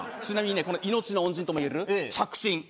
ちなみにねこの命の恩人ともいえる着信